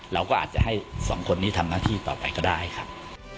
เราก็อาจจะให้สองคนนี้ทำหน้าที่ต่อไปก็ได้ครับ